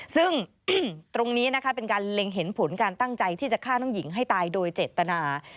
ซึ่งตรงนี้นะคะเป็นการเล็งเห็นผลการตั้งใจที่จะฆ่าน้องหญิงให้ตายโดยเจตนา